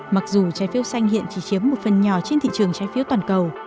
mặc dù trái phiếu xanh hiện chỉ chiếm một phần nhỏ trên thị trường trái phiếu toàn cầu